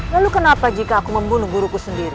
lalu kenapa jika aku membunuh guruku sendiri